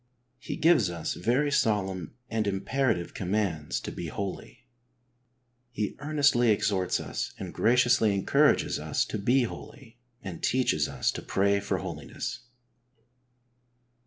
He gives us very solemn and imperative commands to be holy. He earnestly exhorts us and graciously encourages us to be holy, and teaches us to pray for holiness.